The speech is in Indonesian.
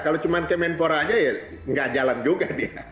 kalau cuma kemenpora aja ya nggak jalan juga dia